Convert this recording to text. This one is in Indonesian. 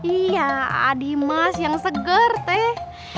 iya adimas yang seger teh